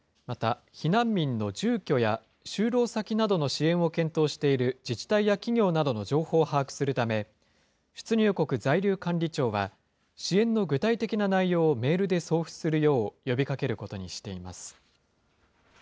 また避難民の住居や就労先などの支援を検討している自治体や企業などの情報を把握するため、出入国在留管理庁は、支援の具体的な内容をメールで送付するよう呼びかけることにしています。